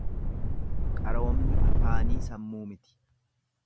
Qaroomni afaanii sammuu miti.